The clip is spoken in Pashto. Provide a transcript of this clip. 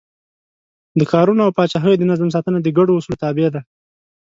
د ښارونو او پاچاهیو د نظم ساتنه د ګډو اصولو تابع ده.